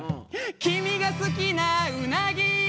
「君が好きなうなぎパイ」